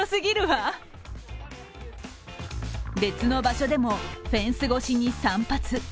別の場所でも、フェンス越しに散髪。